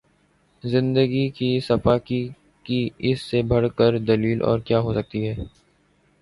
زندگی کی سفاکی کی اس سے بڑھ کر دلیل اور کیا ہوسکتی ہے